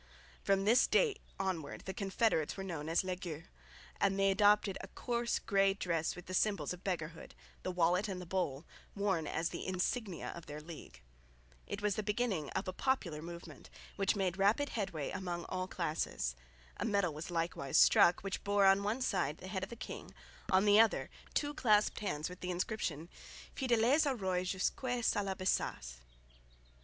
From this date onwards the confederates were known as "les gueux," and they adopted a coarse grey dress with the symbols of beggarhood the wallet and the bowl worn as the insignia of their league. It was the beginning of a popular movement, which made rapid headway among all classes. A medal was likewise struck, which bore on one side the head of the king, on the other two clasped hands with the inscription Fidèles au roy jusques à la besace.